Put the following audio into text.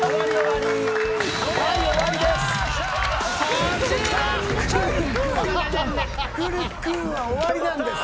はい、終わりです。